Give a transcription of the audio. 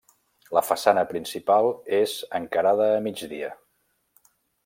La façana principal és encarada a migdia.